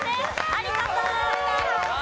有田さん。